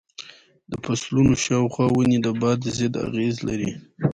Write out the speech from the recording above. د فصلونو شاوخوا ونې د باد ضد اغېز لري.